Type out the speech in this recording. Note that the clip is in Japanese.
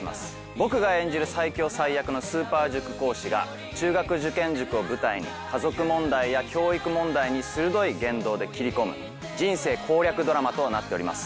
僕が演じる最強最悪のスーパー塾講師が中学受験塾を舞台に家族問題や教育問題に鋭い言動で切り込む人生攻略ドラマとなっております。